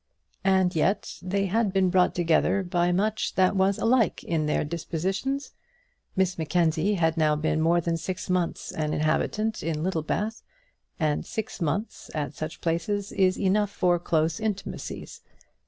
And yet they had been brought together by much that was alike in their dispositions. Miss Mackenzie had now been more than six months an inhabitant of Littlebath, and six months at such places is enough for close intimacies.